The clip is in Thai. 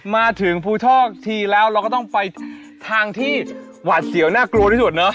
มาถึงภูทอกทีแล้วเราก็ต้องไปทางที่หวาดเสียวน่ากลัวที่สุดเนอะ